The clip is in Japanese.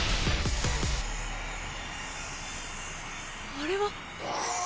あれは？